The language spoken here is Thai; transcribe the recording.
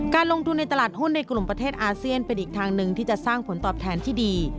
การลงทุนในตลาดหุ้นในกลุ่มประเทศอาเซียนเป็นอีกทางหนึ่งที่จะสร้างผลตอบแทนที่ดี